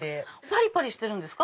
パリパリしてるんですか？